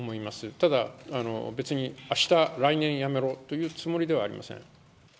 ただ、別に、あした、来年やめろというつもりではありません。